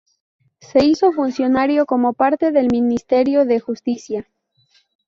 Se hizo funcionario como parte del Ministerio de Justicia.